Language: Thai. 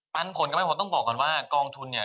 ปันผลก็ไม่พ้นต้องบอกก่อนว่ากองทุนเนี่ย